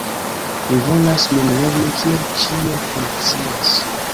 Mi volas mem lerni kiel ĉio funkcias.